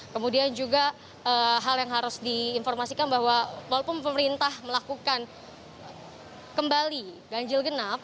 kemudian juga hal yang harus diinformasikan bahwa walaupun pemerintah melakukan kembali ganjil genap